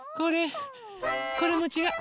これもちがう。